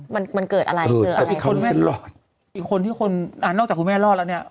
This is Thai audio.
มันเกิดอะไรเกิดอะไรแต่อีกคนอีกคนที่คนอ่านอกจากคุณแม่รอดแล้วเนี่ย